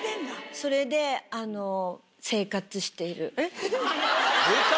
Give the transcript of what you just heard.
それで生活している？